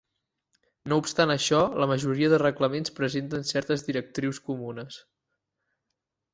No obstant això, la majoria de reglaments presenten certes directrius comunes.